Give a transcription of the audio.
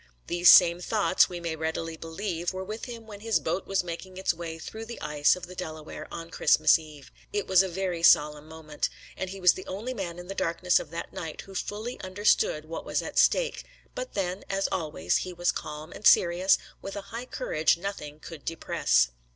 These same thoughts, we may readily believe, were with him when his boat was making its way through the ice of the Delaware on Christmas Eve. It was a very solemn moment, and he was the only man in the darkness of that night who fully understood what was at stake; but then, as always, he was calm and serious, with a high courage which nothing could depress.